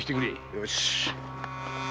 よし！